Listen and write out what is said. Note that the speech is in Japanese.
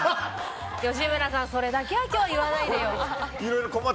吉村さん、それだけは今日言わないでよ。